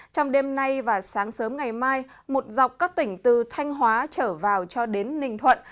trong đêm nay và sáng sớm ngày mai một dọc các tỉnh từ thanh hóa trở vào cho đến ninh thuận